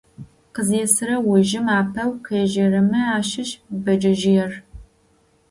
Къызесырэ ужым апэу къежьэрэмэ ащыщ бэджэжъыер.